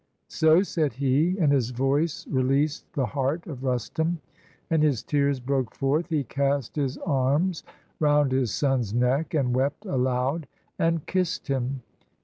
So said he, and his voice releas'd the heart Of Rustum, and his tears broke forth: he cast His arms round his son's neck, and wept aloud. And kiss'd him.